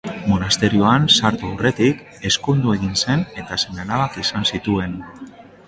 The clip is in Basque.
Monasterioan sartu aurretik, ezkondu egin zen eta seme-alabak izan zituen.